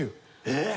えっ！？